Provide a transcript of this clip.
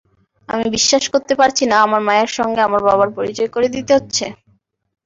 আমি বিশ্বাস করতে পারছি না আমার মায়ের সঙ্গে আমার বাবার পরিচয় করিয়ে দিতে হচ্ছে।